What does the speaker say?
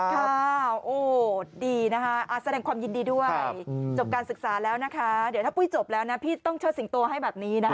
ค่ะโอ้ดีนะคะแสดงความยินดีด้วยจบการศึกษาแล้วนะคะเดี๋ยวถ้าปุ้ยจบแล้วนะพี่ต้องเชิดสิงโตให้แบบนี้นะคะ